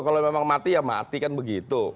kalau memang mati ya mati kan begitu